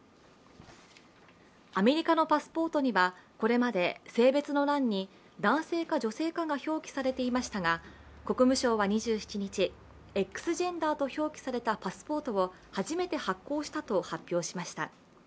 アメリカのパスポートにはこれまで性別の欄に男性か女性かが表記されていましたが、国務省は２７日、Ｘジェンダーと表記されたパスポートを初めて発行したと発表しました。